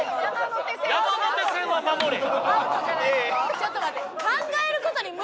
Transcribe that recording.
ちょっと待って。